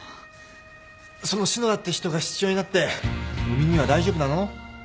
その篠田って人が室長になって海兄は大丈夫なの？